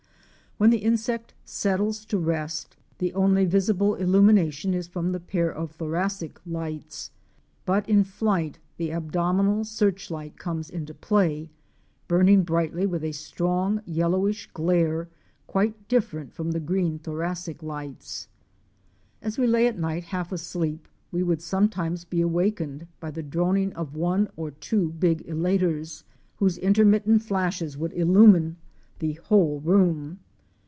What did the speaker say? When the insect settles to rest the only visible illumination is from the pair of thoracic lights, but in flight the abdominal searchlight comes into play, burning brightly with a strong yellowish glare quite different from the green thoracic lights. As we lay at night half asleep we would sometimes be awakened by the droning of one or two big elaters, whose intermittent flashes would illumine the whole room.